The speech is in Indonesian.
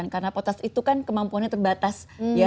karena potas itu kan kemampuannya terbatas